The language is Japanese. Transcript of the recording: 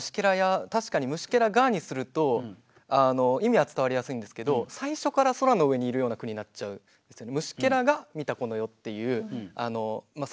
確かに「虫螻が」にすると意味は伝わりやすいんですけど最初から空の上にいるような句になっちゃうんですよね。